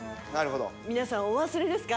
皆さんお忘れですか？